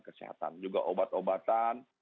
kesehatan juga obat obatan